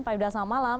pak ifdal selamat malam